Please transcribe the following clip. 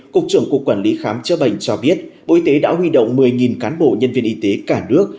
cục trưởng cục quản lý khám chữa bệnh cho biết bộ y tế đã huy động một mươi cán bộ nhân viên y tế cả nước